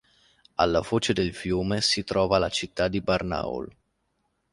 Alla foce del fiume si trova la città di Barnaul.